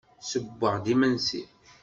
Ssewweɣ-d imensi.